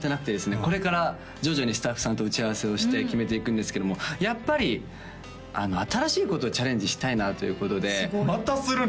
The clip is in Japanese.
これから徐々にスタッフさんと打ち合わせをして決めていくんですけどもやっぱり新しいことをチャレンジしたいなということでまたするの？